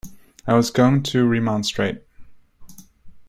I was going to remonstrate.